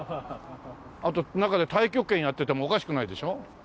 あと中で太極拳やっててもおかしくないでしょ？